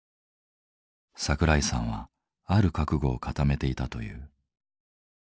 桜井さんはある覚悟を固めていたという。